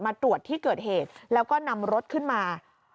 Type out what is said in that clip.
มาตรวจที่เกิดเหตุแล้วก็นำรถขึ้นมา